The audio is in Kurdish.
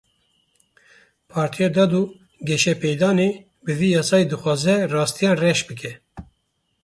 Partiya Dad û Geşepêdanê bi vê yasayê dixwaze rastiyan reş bike.